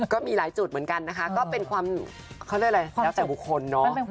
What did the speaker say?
ก็มีหลายจุดเหมือนกันนะคะก็เป็นความเขาเรียกอะไรแล้วแต่บุคคลเนาะ